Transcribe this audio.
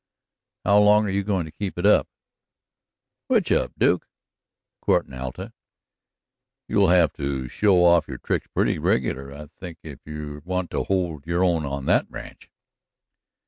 "How long are you going to keep it up?" "Which up, Duke?" "Courtin' Alta. You'll have to show off your tricks pretty regular, I think, if you want to hold your own in that ranch."